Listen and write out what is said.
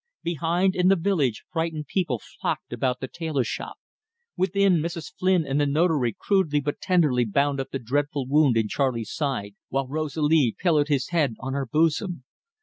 Behind, in the village, frightened people flocked about the tailor shop. Within, Mrs. Flynn and the Notary crudely but tenderly bound up the dreadful wound in Charley's side, while Rosalie pillowed his head on her bosom.